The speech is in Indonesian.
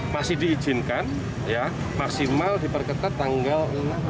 masih diizinkan ya maksimal diperketat tanggal lima